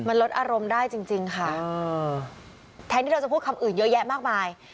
มันลดอารมณ์ได้จริงค่ะแทนที่เราจะพูดคำอื่นเยอะแยะมากมาย